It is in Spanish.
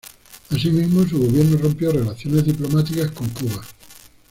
Asimismo, su gobierno rompió relaciones diplomáticas con Cuba.